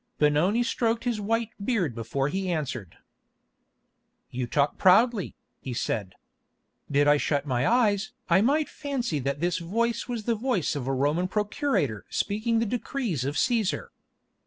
Benoni stroked his white beard before he answered. "You talk proudly," he said. "Did I shut my eyes I might fancy that this voice was the voice of a Roman procurator speaking the decrees of Cæsar.